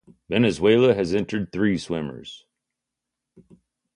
Venezuela has entered three swimmers.